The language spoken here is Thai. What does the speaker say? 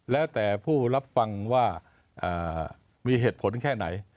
แล้วแต่ผู้รับฟังว่ามีเหตุผลแค่ไหน